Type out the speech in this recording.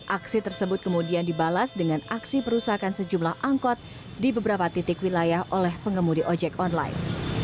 aksi tersebut kemudian dibalas dengan aksi perusahaan sejumlah angkot di beberapa titik wilayah oleh pengemudi ojek online